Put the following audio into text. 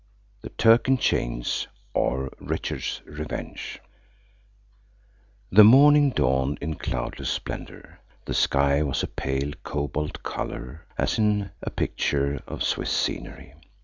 THE TURK IN CHAINS; OR, RICHARD'S REVENGE THE morning dawned in cloudless splendour. The sky was a pale cobalt colour, as in pictures of Swiss scenery.